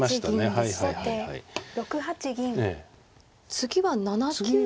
次は７九。